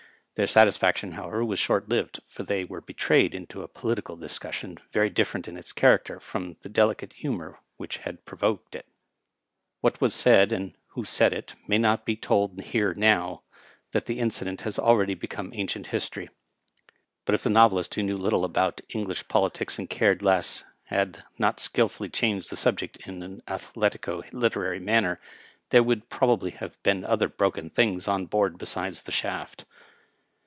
Their satisfaction, how ever, was short lived, for they were hetrayed into a political discus sion very different in its character from the delicate humor which had provoked it. What was said, and who said it, may not he told here now that the incident has already heoome ancient history; hut if the Novelist, who knew little ahout English politics and cared less, had not skillfully changed the suhject in an athletico literary manner, there would prohahly have heen other hroken things on hoard hesides the shaft.